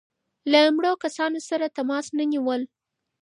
له مړو کسانو سره تماس نه نیول.